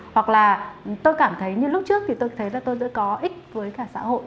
hoặc là tôi cảm thấy như lúc trước thì tôi thấy là tôi rất có ích với cả xã hội